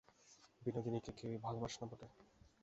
বিনোদিনীকে কেহই ভালোবাসে না বটে!